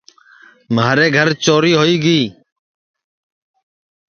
مھارے گھر چوری ہوئی گی